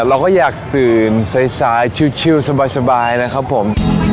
เราก็อยากตื่นสายชิวสบายนะครับผม